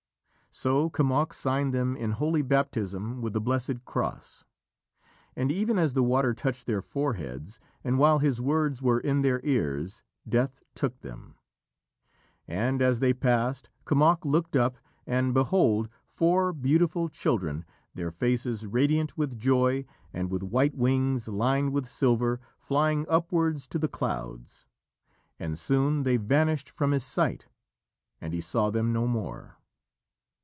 So Kemoc signed them in Holy Baptism with the blessed Cross, and even as the water touched their foreheads, and while his words were in their ears, death took them. And, as they passed, Kemoc looked up, and, behold, four beautiful children, their faces radiant with joy, and with white wings lined with silver, flying upwards to the clouds. And soon they vanished from his sight and he saw them no more.